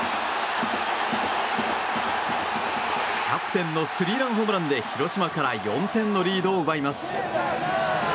キャプテンのスリーランホームランで広島から４点のリードを奪います。